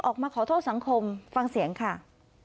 ออกมาขอโทษสังคมฟังเสียงค่ะ